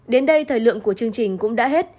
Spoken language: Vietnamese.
đến đây thời lượng của chương trình cũng đã hết